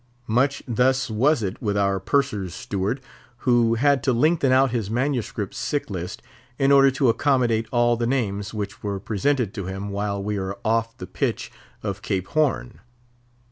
Much thus was it with our Purser's steward, who had to lengthen out his manuscript sick list, in order to accommodate all the names which were presented to him while we were off the pitch of Cape Horn.